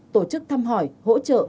tổ chức thăm hỏi hỗ trợ